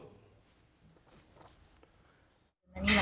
นี่ล่ะพอมันจอดรถเสร็จแล้วมันเดินอยู่นี่ล่ะ